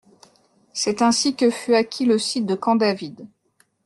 C'est ainsi que fut acquis le site de camp David.